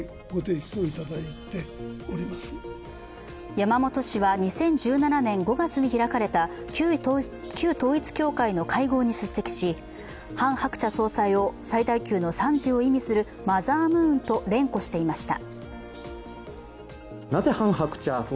山本氏は２０１７年５月に開かれた旧統一教会の会合に出席し、ハン・ハクチャ総裁を最大級の賛辞を意味するマザームーンと連呼していました。